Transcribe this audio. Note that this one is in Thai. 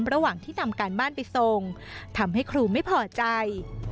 ระหว่างที่ทำการบ้านไปส่งทำให้ครูไม่พอใจ